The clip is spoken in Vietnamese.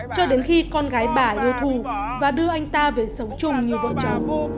cho đến khi con gái bà yêu thù và đưa anh ta về sống chung như vợ chồng